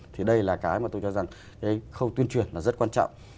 thì đây là cái mà tôi cho rằng cái khâu tuyên truyền là rất quan trọng